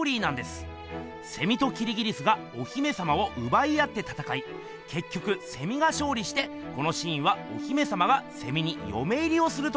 セミときりぎりすがお姫さまをうばい合ってたたかいけっきょくセミがしょうりしてこのシーンはお姫さまがセミによめ入りをするところです。